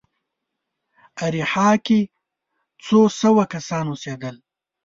اریحا کې څو سوه کسان اوسېدل.